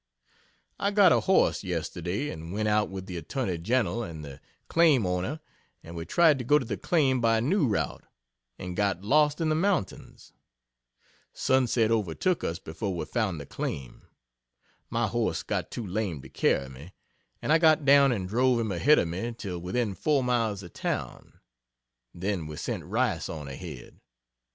I got a horse yesterday, and went out with the Attorney General and the claim owner and we tried to go to the claim by a new route, and got lost in the mountains sunset overtook us before we found the claim my horse got too lame to carry me, and I got down and drove him ahead of me till within four miles of town then we sent Rice on ahead.